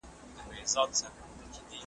ماته مه راځه خزانه زه پخوا یم رژېدلی .